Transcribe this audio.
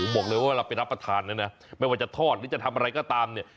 บอกเลยว่าเราไปรับประทานแล้วนะไม่ว่าจะทอดหรือจะทำอะไรก็ตามเนี่ย